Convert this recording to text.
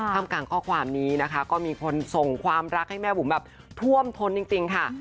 มกลางข้อความนี้นะคะก็มีคนส่งความรักให้แม่บุ๋มแบบท่วมท้นจริงค่ะ